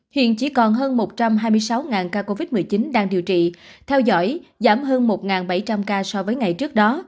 hiện chỉ còn hơn một trăm hai mươi sáu ca covid một mươi chín đang điều trị theo dõi giảm hơn một bảy trăm linh ca so với ngày trước đó